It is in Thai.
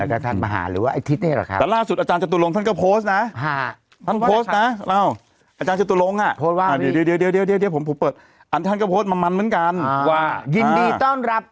โอเคแล้วก็ท่านมาหาหรือว่าไอ้ทิศเนี่ยหรอครับ